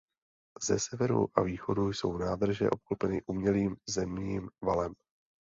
Ze severu a východu jsou nádrže obklopeny umělým zemním valem.